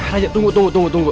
raja tunggu tunggu tunggu